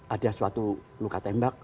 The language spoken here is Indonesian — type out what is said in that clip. ada suatu luka tembak